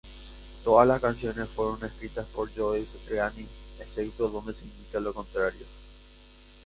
Todas las canciones fueron escritas por Joe Satriani excepto donde se indica lo contrario.